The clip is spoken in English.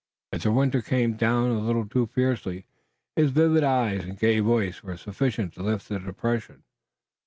If the winter came down a little too fiercely, his vivid eyes and gay voice were sufficient to lift the depression.